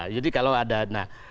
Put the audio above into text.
jadi kalau ada nah